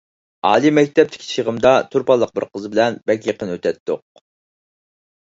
ئالىي مەكتەپتىكى چېغىمدا تۇرپانلىق بىر قىز بىلەن بەك يېقىن ئۆتەتتۇق.